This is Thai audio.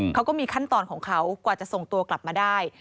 เขาก็มีขั้นตอนของเขากว่าจะส่งตัวกลับมาได้